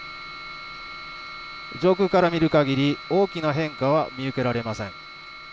上空から見るかぎり大きな変化は見受けられません。